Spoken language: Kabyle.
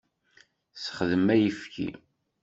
Sexdem ayfki.